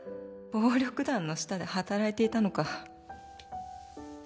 「暴力団の下で働いていたのか」